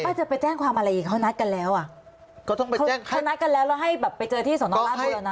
ก็จะไปแจ้งความอะไรอีกเขานัดกันแล้วอ่ะเขานัดกันแล้วแล้วให้แบบไปเจอที่สนองราชบูรณะ